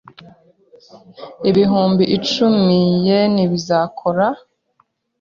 Ibihumbi icumi yen bizakora?